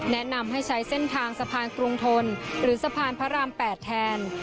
แนะนำให้ใช้เส้นทางสะพานกรุงทนหรือสะพานพระราม๘แทน